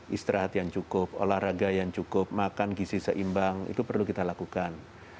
istirahat yang cukup olahraga yang cukup makan gizi seimbang itu perlu kita lakukan